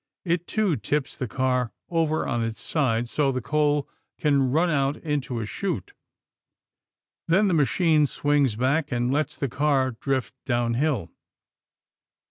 It, too, tips the car over on its side so the coal can run out into a chute. Then the machine swings back and lets the car drift downhill.